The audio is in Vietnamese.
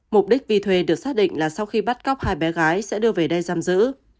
mục đích vi thuê được xác định là sau khi bắt cóc hai bé gái sẽ đưa về đây giam giữ